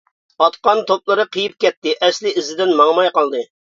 ئاتقان توپلىرى قېيىپ كەتتى-ئەسلى ئىزىدىن ماڭماي قالدى!